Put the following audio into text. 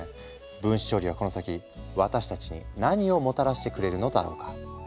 分子調理はこの先私たちに何をもたらしてくれるのだろうか？